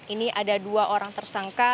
ini ada dua orang tersangka